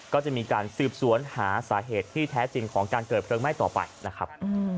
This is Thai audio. ก็จะมีการสืบสวนหาสาเหตุที่แท้จริงของการเกิดเพลิงไหม้ต่อไปนะครับ